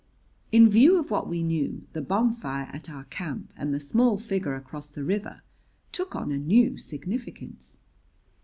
In view of what we knew, the bonfire at our camp and the small figure across the river took on a new significance.